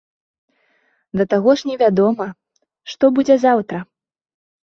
Да таго ж невядома, што будзе заўтра.